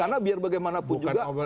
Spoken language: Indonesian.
karena biar bagaimanapun juga